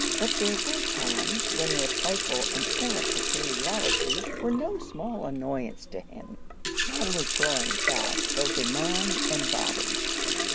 But there were times when their playful and errant peculiarities were no small annoyance to him. Jan was growing fast both in mind and body.